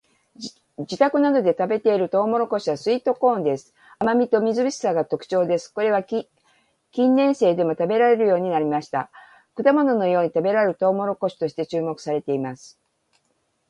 自宅などで食べているトウモロコシはスイートコーンです。甘味とみずみずしさが特徴です。これは近年生でも食べられるようになりました。果物のように食べられるトウモロコシとして注目されています。